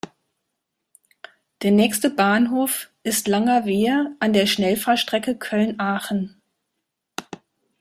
Der nächste Bahnhof ist "Langerwehe" an der Schnellfahrstrecke Köln–Aachen.